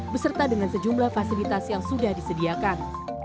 beserta dengan sejumlah fasilitas yang sudah disediakan